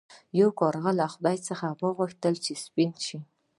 یو کارغه له خدای څخه وغوښتل چې سپین شي.